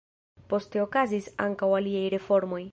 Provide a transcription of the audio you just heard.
Poste okazis ankaŭ aliaj reformoj.